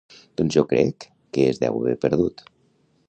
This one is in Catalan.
Doncs jo crec que es deu haver perdut